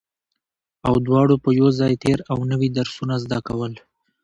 او دواړو به يو ځای تېر او نوي درسونه زده کول